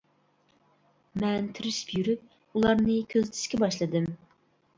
مەن تىرىشىپ يۈرۈپ، ئۇلارنى كۆزىتىشكە باشلىدىم.